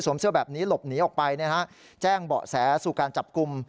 เสื้อแบบนี้หลบหนีออกไปแจ้งเบาะแสสู่การจับกลุ่ม